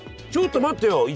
ちょっと待ってよ！